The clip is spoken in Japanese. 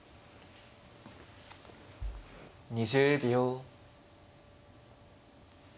２０秒。